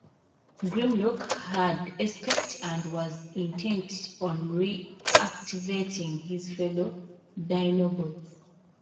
Grimlock had escaped and was intent on reactivating his fellow Dinobots.